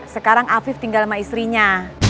sekarang afif tinggal sama istrinya